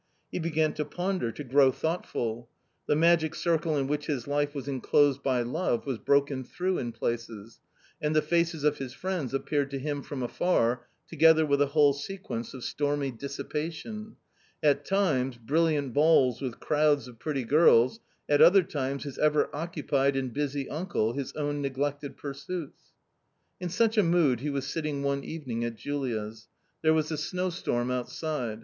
He began to ponder, to grow thoughtful. The magic circle in which his life was enclosed by love was broken through in places, and the faces of his friends appeared to him from afar, together with a whole sequence of stormy dissipation ; at times brilliant balls with crowds of pretty girls, at other times his ever occupied and busy uncle, his own neglected pursuits. In such a mood he was sitting one evening at Julia's. There was a snowstorm outside.